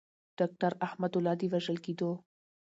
داکتر احمد الله د وژل کیدو.